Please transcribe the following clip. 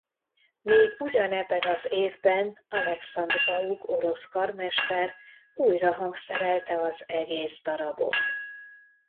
Még ugyanebben az évben Alekszandr Gauk orosz karmester újra hangszerelte az egész darabot.